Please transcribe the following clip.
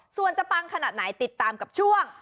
ส่วนจะปังขนาดไหนติดตามกับช่วง